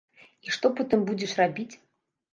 І што потым будзеш рабіць?